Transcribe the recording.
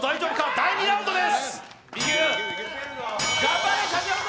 第２ラウンドです。